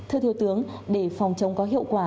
thưa thiếu tướng để phòng chống có hiệu quả